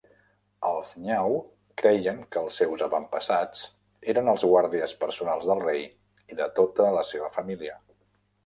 Els Nyaw creien que els seus avantpassats eren els guàrdies personals del rei i de tota la seva família.